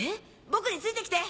僕について来て！